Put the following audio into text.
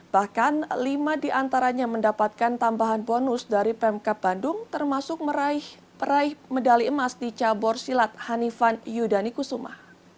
bahkan lima diantaranya mendapatkan tambahan bonus dari pemkap bandung termasuk meraih peraih medali emas di cabur silat hanifan yudani kusuma